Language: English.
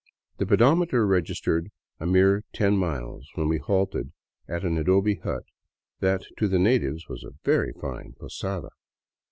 The pedometer registered a mere ten miles when we halted at an adobe hut that to the natives was a " very fine posada.''